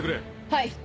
はい。